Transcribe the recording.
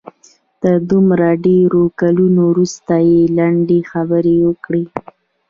د دومره ډېرو کلونو وروسته یې لنډې خبرې وکړې.